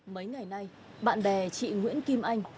mấy ngày nay bạn bè chị nguyễn kim anh